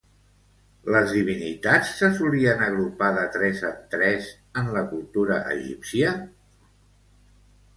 Les divinitats se solien agrupar de tres en tres, en la cultura egípcia?